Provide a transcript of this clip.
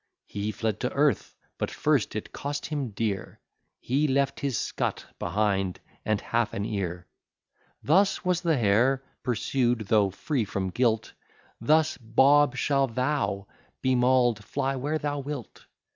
He fled to earth, but first it cost him dear; He left his scut behind, and half an ear. Thus was the hare pursued, though free from guilt; Thus, Bob, shall thou be maul'd, fly where thou wilt.